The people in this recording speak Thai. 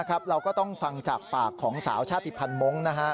เราก็ต้องฟังจากปากของสาวชาติภัณฑ์มงค์